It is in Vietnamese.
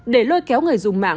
để lôi kéo người dùng mạng